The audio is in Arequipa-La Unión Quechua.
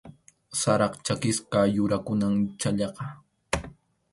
Sarap chʼakisqa yurakunam chhallaqa.